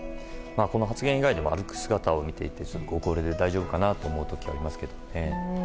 この発言以外でも歩く姿を見ていてご高齢で、大丈夫かなと思う時がありますからね。